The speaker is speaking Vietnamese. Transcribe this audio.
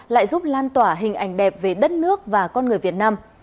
lại giúp lan tỏa hình ảnh đẹp về đất nước và con người việt nam